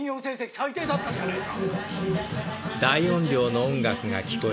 最低だったじゃないか。